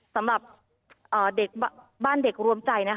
สำหรับบ้านเด็กรวมใจ